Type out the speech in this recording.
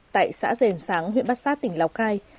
tại xã dền sáng huyện bát sát tỉnh lào cai